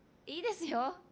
いいですよ。